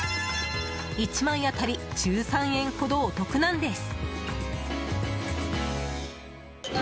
１枚当たり１３円ほどお得なんです。